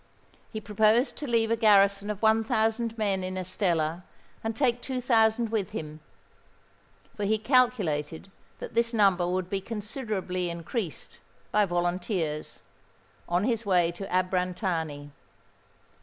He proposed to leave a garrison of one thousand men in Estella, and take two thousand with him; for he calculated that this number would be considerably increased, by volunteers, on his way to Abrantani.